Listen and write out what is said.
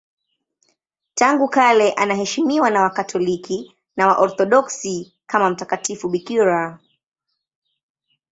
Tangu kale anaheshimiwa na Wakatoliki na Waorthodoksi kama mtakatifu bikira.